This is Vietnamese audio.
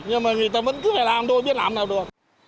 nhưng mà người ta vẫn cứ phải làm thôi biết làm nào được